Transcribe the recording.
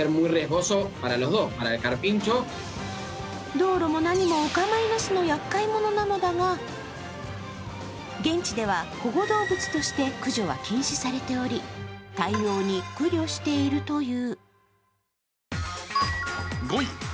道路も何もお構いなしのやっかい者なのだが現地では保護動物として駆除は禁止されており対応に苦慮しているという。